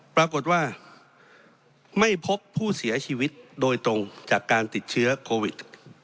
ปรากฏว่าไม่พบผู้เสียชีวิตโดยตรงจากการติดเชื้อโควิด